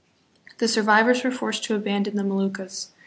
The sur vivors were forced to abandon the Moluccas.